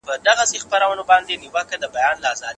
که څېړونکی تعصب ولری نو کار یې ارزښت نه لري.